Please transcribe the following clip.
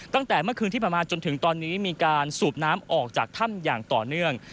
ตั้งแต่เมื่อคืนที่ผ่านมาจนถึงตอนนี้มีการสูบน้ำออกจากถ้ำอย่างต่อเนื่อง